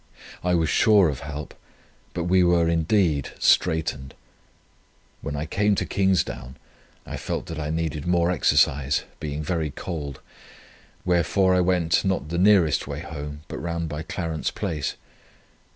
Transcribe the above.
I was sure of help, but we were indeed straitened. When I came to Kingsdown, I felt that I needed more exercise, being very cold; wherefore I went not the nearest way home, but round by Clarence Place.